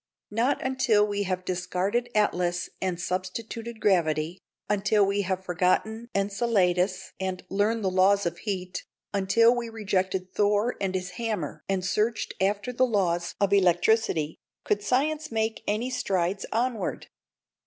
Not until we had discarded Atlas and substituted gravity, until we had forgotten Enceladus and learned the laws of heat, until we had rejected Thor and his hammer and searched after the laws of electricity, could science make any strides onward.